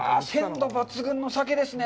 鮮度抜群の鮭ですね。